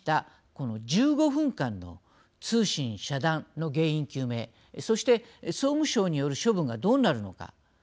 この１５分間の通信遮断の原因究明そして総務省による処分がどうなるのか。